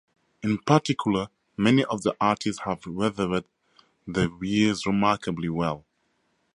In particular, many of the arches have weathered the years remarkably well.